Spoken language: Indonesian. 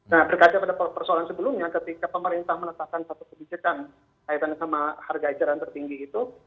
nah berkaca pada persoalan sebelumnya ketika pemerintah menetapkan satu kebijakan kaitannya sama harga eceran tertinggi itu